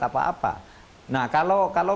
apa apa nah kalau